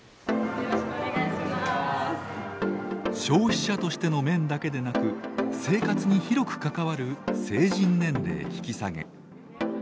消費者としての面だけでなく生活に広く関わる成人年齢引き下げ。